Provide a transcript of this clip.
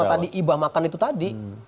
karena tadi ibah makan itu tadi